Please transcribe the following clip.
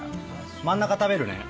真ん中食べるね。